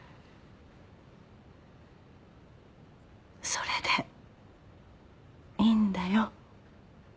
それでいいんだよ。